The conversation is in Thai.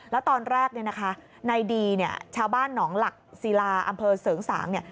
แล้วตอนแรกนายดีชาวบ้านหนองหลักศิลาอำเภอเสริงสาง